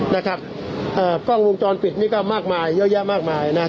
นะครับเอ่อกล้องวงจรปิดนี่ก็มากมายเยอะแยะมากมายนะฮะ